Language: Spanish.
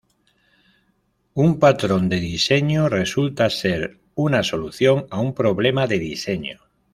Un patrón de diseño resulta ser una solución a un problema de diseño.